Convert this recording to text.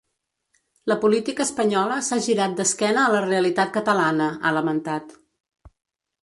La política espanyola s’ha girat d’esquena a la realitat catalana, ha lamentat.